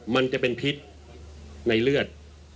มันจะเป็นพิษในเลือด